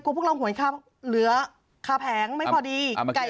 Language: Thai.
กลัวพวกเราหว่นข้าเป็นเหลือข้าแผงไม่พอดี